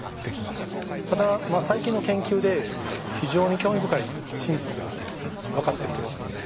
ただ最近の研究で非常に興味深い真実が分かってきてますので。